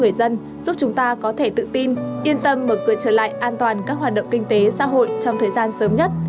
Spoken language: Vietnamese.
người dân giúp chúng ta có thể tự tin yên tâm mở cửa trở lại an toàn các hoạt động kinh tế xã hội trong thời gian sớm nhất